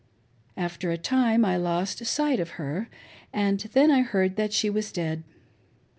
After a time I lost sight of her, and then I heard that she was dead.